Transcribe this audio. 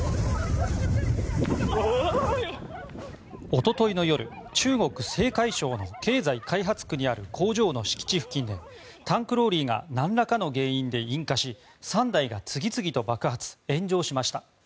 一昨日の夜中国・青海省の経済開発区にある工場の敷地付近でタンクローリーが何らかの原因で引火し３台が次々と爆発・炎上しました。